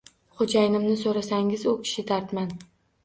Xo‘jayinimni so‘radingiz, u kishi dardmand